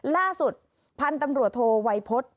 ล่าสุดพันธุ์ตำรวจโทวัยพฤษ